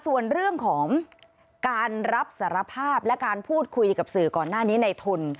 ส่วนเรื่องของการรับสารภาพและการพูดคุยกับสื่อก่อนหน้านี้ในทุน